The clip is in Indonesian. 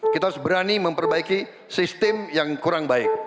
kita harus berani memperbaiki sistem yang kurang baik